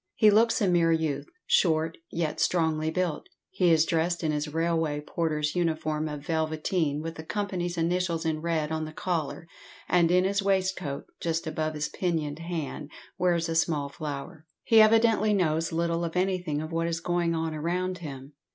He looks a mere youth, short, yet strongly built. He is dressed in his railway porter's uniform of velveteen, with the company's initials in red on the collar, and in his waistcoat, just above his pinioned hand, wears a small flower. He evidently knows little of anything of what is going on around him.